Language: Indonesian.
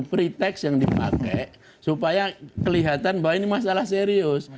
pretext yang dipakai supaya kelihatan bahwa ini masalah serius